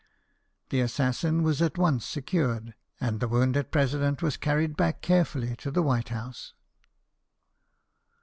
The assassin was at once secured, and the wounded President was carried back carefully to the White House.